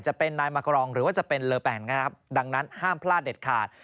จะเป็นนายมากรองหรือว่าจะเป็นเลอแปนนะครับดังนั้นห้ามพลาดเด็ดขาด